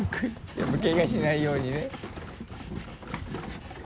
やっぱけがしないようにね。